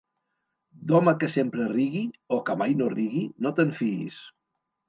D'home que sempre rigui, o que mai no rigui, no te'n fiïs.